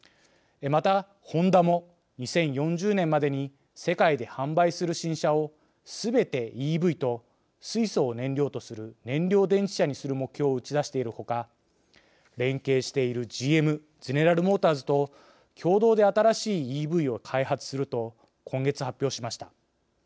また、ホンダも２０４０年までに世界で販売する新車をすべてＥＶと水素を燃料とする燃料電池車にする目標を打ち出しているほか連携しているＧＭ＝ゼネラル・モーターズと共同で新しいＥＶを開発すると今月、発表しました。